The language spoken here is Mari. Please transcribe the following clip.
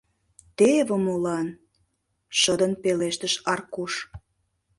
— Теве молан! — шыдын пелештыш Аркуш.